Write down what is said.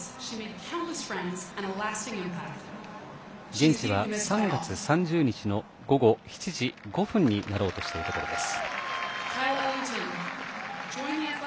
現地では３月３０日の午後７時５分になろうとしているところです。